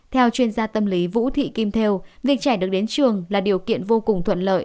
theo chuyên gia tâm lý vũ thị kim theo việc trẻ được đến trường là điều kiện vô cùng thuận lợi